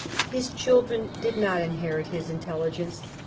His children did not inherit his intelligence.